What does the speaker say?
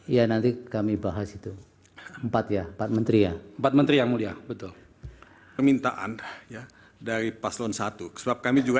ya nanti kami bahas itu empat ya pak menteri betul pemintaan dari paslon satu seperti kita juga